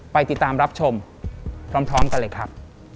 ไปติดตามรับชมพร้อมกันเลยครับ